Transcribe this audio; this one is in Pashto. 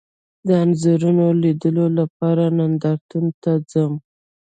د انځورونو لیدلو لپاره نندارتون ته ځم